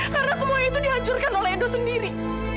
karena semua itu dihancurkan oleh edo sendiri